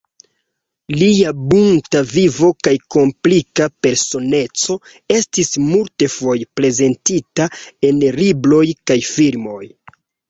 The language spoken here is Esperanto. Lia bunta vivo kaj komplika personeco estis multfoje prezentita en libroj kaj filmoj.